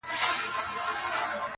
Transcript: قاسم یاره ته په رنګ د زمانې سه,